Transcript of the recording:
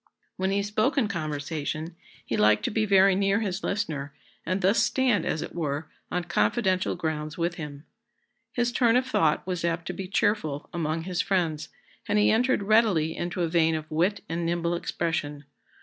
When he spoke in conversation, he liked to be very near his listener, and thus stand, as it were, on confidential grounds with him. His turn of thought was apt to be cheerful among his friends, and he entered readily into a vein of wit and nimble expression.